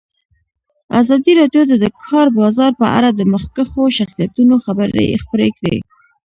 ازادي راډیو د د کار بازار په اړه د مخکښو شخصیتونو خبرې خپرې کړي.